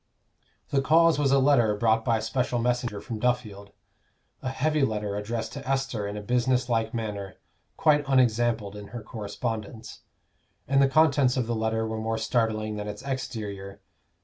The cause was a letter brought by a special messenger from Duffield; a heavy letter addressed to Esther in a business like manner, quite unexampled in her correspondence. And the contents of the letter were more startling than its exterior.